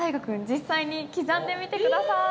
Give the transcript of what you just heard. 実際に刻んでみて下さい。